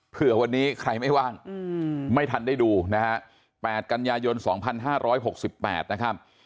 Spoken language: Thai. เพื่อวันนี้ใครไม่ว่างไม่ทันได้ดูนะฮะ๘กันยายน๒๕๖๘นะครับ